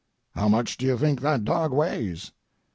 "How much do you think that dog weighs?"